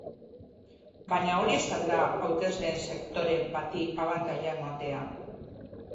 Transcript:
Baina, hori ez al da hautesleen sektore bati abantaila ematea?